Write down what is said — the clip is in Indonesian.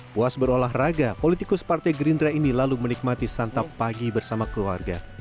puas berolahraga politikus partai gerindra ini lalu menikmati santap pagi bersama keluarga